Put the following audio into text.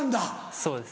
そうです。